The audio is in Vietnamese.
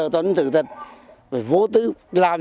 trước thời hạn ba năm